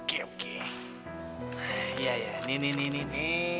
kau mau ngapain